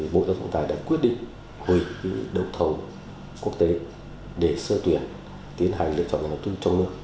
bộ đối tác công tài đã quyết định hủy đầu thầu quốc tế để sơ tuyển tiến hành lựa chọn nhà đầu tư trong nước